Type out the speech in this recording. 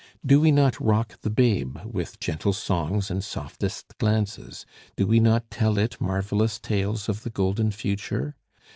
Do we not rock the babe with gentle songs and softest glances? Do we not tell it marvellous tales of the golden future?